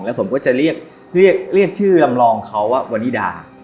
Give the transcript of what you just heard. และผมจะเรียกเรื่องรำรองเขาวันิดา